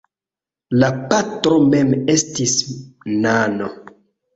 La patro mem estis nano.